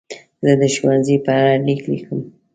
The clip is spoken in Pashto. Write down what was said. زه د ښوونځي په اړه لیک لیکم.